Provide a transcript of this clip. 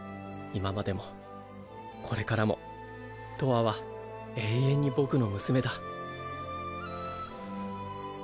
今までもこれからもとわは永遠にボクの娘だ。